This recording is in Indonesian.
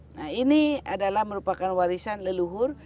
nah ini adalah merupakan warisan leluhur